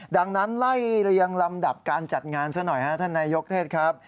ดังนั้นไล่เรียงลำดับการจัดงานซะหน่อยฮะท่านนายกเทศครับ